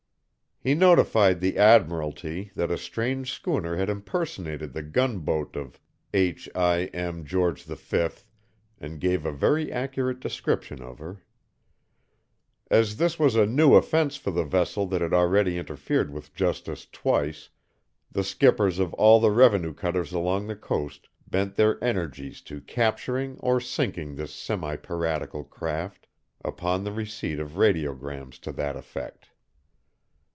He notified the admiralty that a strange schooner had impersonated the gunboat of H. I. M. George V, and gave a very accurate description of her. As this was a new offense for the vessel that had already interfered with justice twice, the skippers of all the revenue cutters along the coast bent their energies to capturing or sinking this semipiratical craft, upon the receipt of radiograms to that effect.